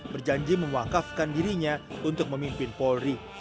berjanji mewakafkan dirinya untuk memimpin polri